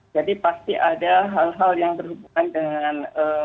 jadi pasti ada hal hal yang berhubungan dengan